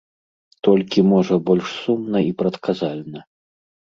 Толькі, можа, больш сумна і прадказальна.